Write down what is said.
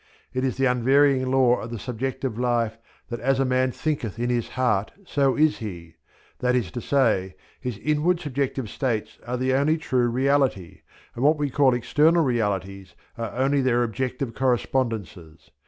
It is the unvarying law of the subjective life that "as a man thinketh in his heart so is he," that is to say, his inward subjective states are the only true reality, and what we call external realities are only their objective correspondences.